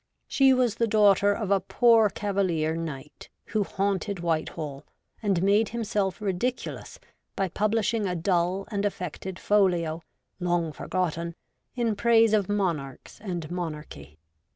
She was the daughter of a poor Cavalier knight who haunted Whitehall, and made himself ridiculous by publishing a dull and affected folio, long forgotten, in praise of monarchs and monarchy.